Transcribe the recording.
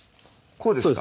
こうですか？